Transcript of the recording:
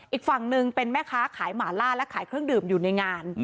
อีกฝั่งหนึ่งเป็นแม่ค้าขายหมาล่าและขายเครื่องดื่มอยู่ในงาน